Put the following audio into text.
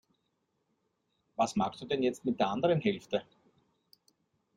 Was machst du denn jetzt mit der anderen Hälfte?